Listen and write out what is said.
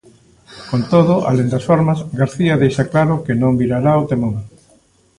Con todo, alén das formas, García deixa claro que non virará o temón.